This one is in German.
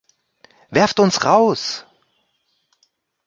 Werft uns raus!